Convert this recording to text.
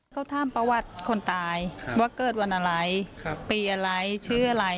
เขาถามประวัติคนตายว่าเกิดวันอะไรปีอะไรชื่ออะไร